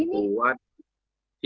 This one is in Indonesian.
omnibus law di sini